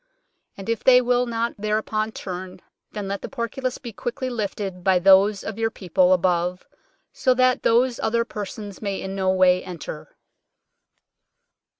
" And if they will not thereupon turn, then let the portcullis be quickly lifted by those of your people above, that so those other persons may in no way enter."